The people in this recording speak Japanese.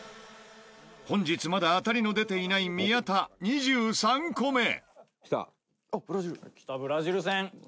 本日まだ当たりの出ていない宮田きた？